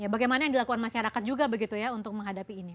bagaimana yang dilakukan masyarakat juga begitu ya untuk menghadapi ini